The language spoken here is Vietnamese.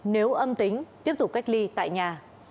nếu âm tính tiếp tục cách ly tại nhà